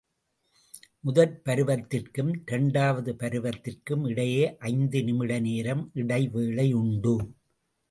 முதற் பருவத்திற்கும் இரண்டாவது பருவத்திற்கும் இடையே ஐந்து நிமிட நேரம் இடைவேளையுண்டு.